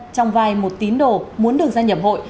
trong vai một tín đồ muốn được gia nhập hội